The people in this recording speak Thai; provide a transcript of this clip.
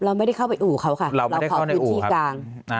เราไม่ได้เข้าไปอู่เขาค่ะเราขอพื้นที่กลาง